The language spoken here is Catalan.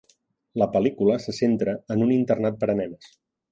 La pel·lícula se centra en un internat per a nenes.